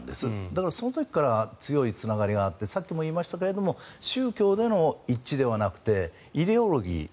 だからその時から強いつながりがあってさっきも言いましたが宗教での一致ではなくてイデオロギー。